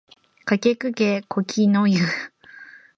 かきくけこきのゆ